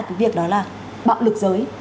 cái việc đó là bạo lực giới